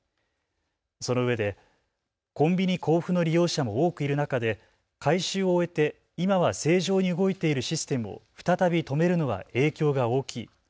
そのうえでコンビニ交付の利用者も多くいる中で改修を終えて今は正常に動いているシステムを再び止めるのは影響が大きい。